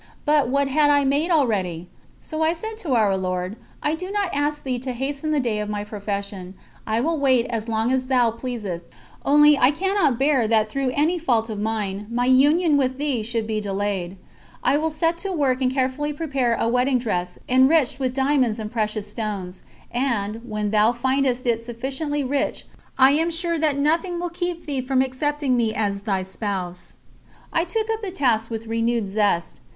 But, what had I made ready? So I said to Our Lord: "I do not ask Thee to hasten the day of my profession, I will wait as long as Thou pleasest, only I cannot bear that through any fault of mine my union with Thee should be delayed; I will set to work and carefully prepare a wedding dress enriched with diamonds and precious stones, and, when Thou findest it sufficiently rich, I am sure that nothing will keep Thee from accepting me as Thy Spouse." I took up the task with renewed zest.